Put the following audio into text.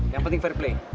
yang penting fair play